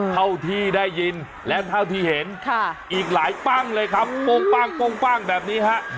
เท่าที่ได้ยินและเท่าที่เห็นอีกหลายปั้งเลยครับโป้งแบบนี้ฮะ